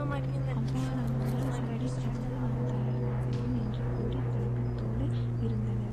அவ்வாறானால், சண்டைக்காவது நாம் தயாராகலாம் என்று கூறி கலக்கத்தோடு இருந்தனர்.